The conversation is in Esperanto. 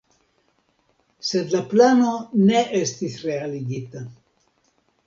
Sed la plano ne estis realigita.